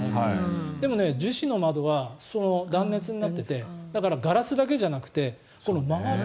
でも樹脂の窓は断熱になっていてだから、ガラスだけじゃなくて周り。